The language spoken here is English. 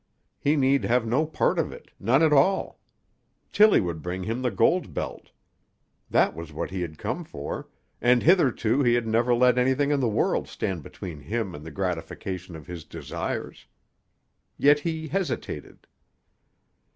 He need have no part in it, none at all. Tillie would bring him the gold belt. That was what he had come for; and hitherto he had never let anything in the world stand between him and the gratification of his desires. Yet he hesitated.